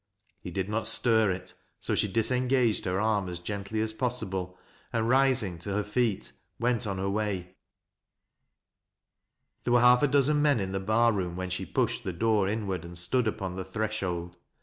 ITe did not stir it, so she disengaged her arm as gently as possible, and, rising to her feet, went on her way. There were half a dozen men in the bar room when she pushed the door inward and stood upon the threshold.